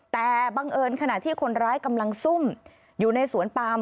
แต่บังเอิญขณะที่คนร้ายกำลังซุ่มอยู่ในสวนปาม